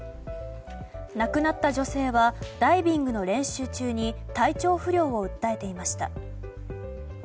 亡くなった女性はダイビングの練習中に体調不良を訴えていました。